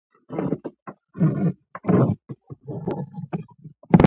سړی یو څه لیکلو ته مجبوریږي.